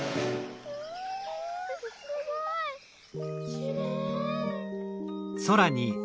きれい！